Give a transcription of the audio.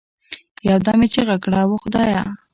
يو دم يې چيغه كړه وه خدايه!